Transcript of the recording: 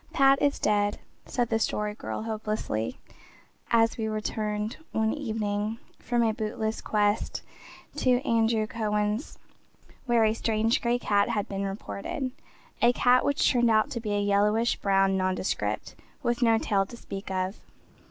"Pat is dead," said the Story Girl hopelessly, as we returned one evening from a bootless quest to Andrew Cowan's where a strange gray cat had been reported a cat which turned out to be a yellowish brown nondescript, with no tail to speak of.